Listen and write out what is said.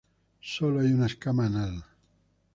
Sólo hay una escama anal.